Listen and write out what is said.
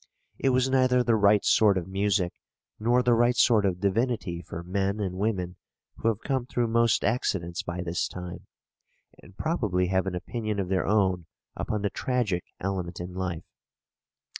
It was neither the right sort of music nor the right sort of divinity for men and women who have come through most accidents by this time, and probably have an opinion of their own upon the tragic element in life.